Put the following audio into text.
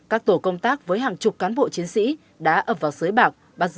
các tổ công tác với hàng chục cán bộ chiến sĩ các tổ công tác với hàng chục cán bộ chiến sĩ